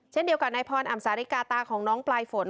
เช่นเดียวกับนายพรอ่ำสาริกาตาของน้องปลายฝน